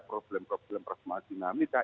problem problem perkembangan dinamika